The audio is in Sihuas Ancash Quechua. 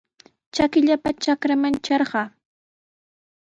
Trakillapa trakraman trarqaa.